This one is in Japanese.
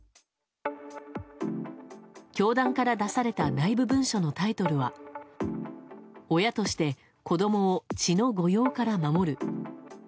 教団から出された内部文書のタイトルは「親として子供を血の誤用から守る」。